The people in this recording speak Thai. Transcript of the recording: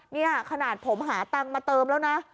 นี่ขนาดผมหาตังค์มาเติมแล้วนะ